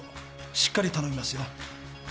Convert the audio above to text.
しっかり頼みますよ。